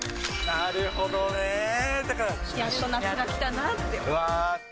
なるほどね。やっと夏が来たなって。